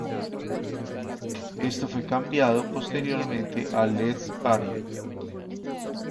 Esto fue cambiado posteriormente a Let's Party!